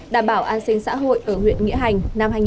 đảm bảo an sinh xã hội ở huyện nghĩa hành năm hai nghìn hai mươi